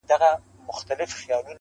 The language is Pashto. ويل موږ خداى پيدا كړي موږكان يو-